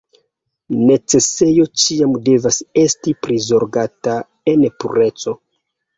Necesejo ĉiam devas esti prizorgata en pureco.